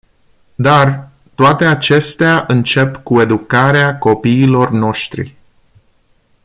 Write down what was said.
Dar, toate acestea încep cu educarea copiilor noștri.